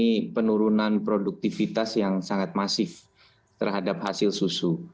mengalami penurunan produktivitas yang sangat masif terhadap hasil susu